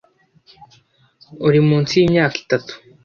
uri munsi y’imyaka itatu